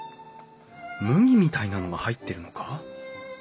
麦みたいなのが入ってるのか？